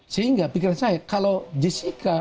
sehingga pikiran saya kalau jessica